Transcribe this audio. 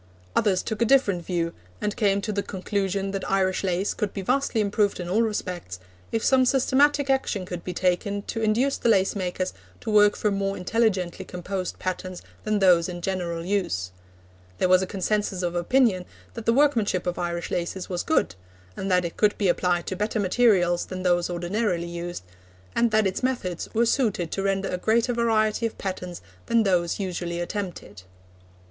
Others took a different view, and came to the conclusion that Irish lace could be vastly improved in all respects, if some systematic action could be taken to induce the lace makers to work from more intelligently composed patterns than those in general use. There was a consensus of opinion that the workmanship of Irish laces was good, and that it could be applied to better materials than those ordinarily used, and that its methods were suited to render a greater variety of patterns than those usually attempted.